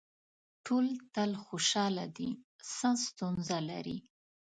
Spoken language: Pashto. ټول تل خوشاله دي څه ستونزه لري.